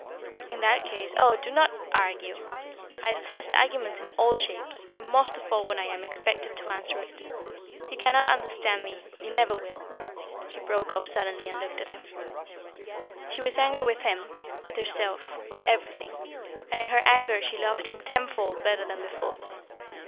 "In that case " "Oh, do not argue! I detest argument in all shapes, and most of all when I am expected to answer it. You cannot understand me you never will " She broke off suddenly and looked at him. She was angry with him, with herself, with everything, and in her anger she loved him tenfold better than before.